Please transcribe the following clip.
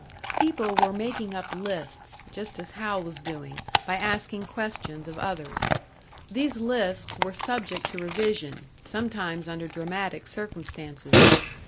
People were making up lists, just as Hal was doing, by asking questions of others. These lists were subject to revision sometimes under dramatic circumstances.